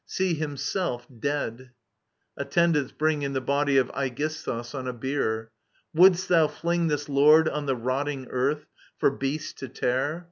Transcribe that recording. See himself, dead I [AtUndants bring in thi body ^Aegisthus on a bier. Wouldst thou fling This lord on the rotting earth for beasts to tear